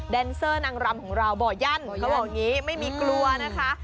เซอร์นางรำของเราบ่อยั่นเขาบอกอย่างนี้ไม่มีกลัวนะคะ